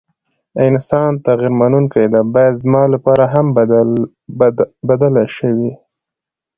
انسان تغير منونکي ده ، بايد زما لپاره هم بدله شوې ،